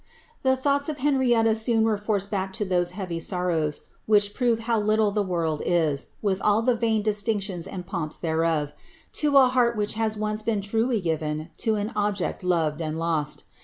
The thoughts of Henrietta soon were forced back to those heavy sor rows which prove how little the world is, with all the vain distinctions ud pomps thereof, to a heart which has once been tnily given to an object loved and lost.